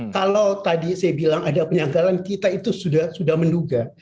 kalau tadi saya bilang ada penyanggalan kita itu sudah menduga